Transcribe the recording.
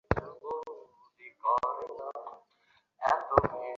আশ্রিত লতা এবং বালক একত্রে ভূমিসাৎ হইল।